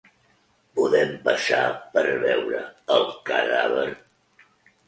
Podem passar per veure el cadàver?